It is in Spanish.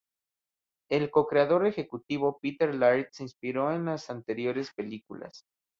El co-creador ejecutivo: Peter Laird se inspiró en las anteriores películas.